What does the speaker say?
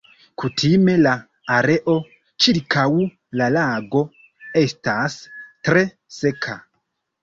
Kutime la areo ĉirkaŭ la lago estas tre seka.